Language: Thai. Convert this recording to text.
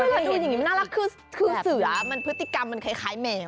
ถ้าดูอย่างนี้น่ารักคือสื่อพฤติกรรมมันคล้ายแมว